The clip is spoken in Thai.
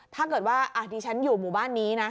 ถ้าเกิดว่าดิฉันอยู่หมู่บ้านนี้นะ